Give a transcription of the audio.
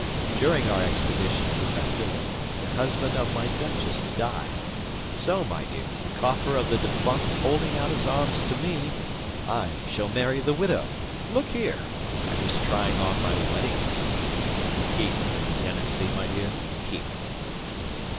During our expedition to Béthune the husband of my duchess died; so, my dear, the coffer of the defunct holding out its arms to me, I shall marry the widow. Look here! I was trying on my wedding suit. Keep the lieutenancy, my dear, keep it."